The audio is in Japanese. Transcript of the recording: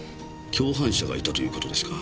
共犯者がいたという事ですか？